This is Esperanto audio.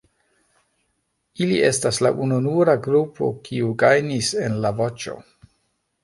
Ili estas la ununura grupo kiu gajnis en La Voĉo.